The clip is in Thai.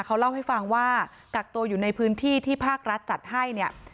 เขาเล่าให้ฟังว่ากักตัวอยู่ในพื้นที่ที่ภาครัฐจัดให้เนี่ย